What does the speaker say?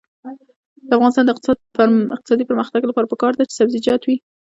د افغانستان د اقتصادي پرمختګ لپاره پکار ده چې سبزیجات وي.